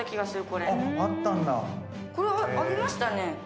これありましたね。